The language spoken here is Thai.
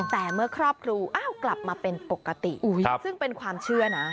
แต่เมื่อครอบครูอ้าวกลับมาเป็นปกติซึ่งเป็นความเชื่อนะ